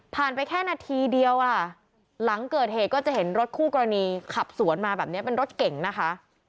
ไปแค่นาทีเดียวล่ะหลังเกิดเหตุก็จะเห็นรถคู่กรณีขับสวนมาแบบนี้เป็นรถเก่งนะคะ